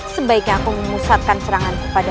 sebaiknya aku memusatkan serangan kepada